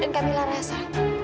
dan kak mila rasa